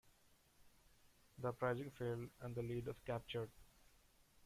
The uprising failed and the leaders captured.